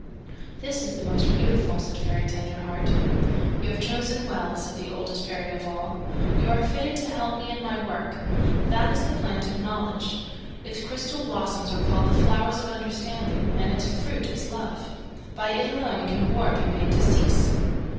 "This is the most beautiful," said Fairy Tenderheart. "You have chosen well," said the Oldest Fairy of All. "You are fitted to help me in my work. That is the Plant of Knowledge; its crystal blossoms are called the Flowers of Understanding, and its fruit is Love. By it alone can war be made to cease."